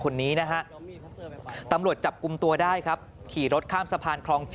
คนนี้นะฮะตำรวจจับกลุ่มตัวได้ครับขี่รถข้ามสะพานคลอง๗